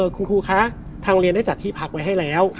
คุณครูคะทางเรียนได้จัดที่พักไว้ให้แล้ว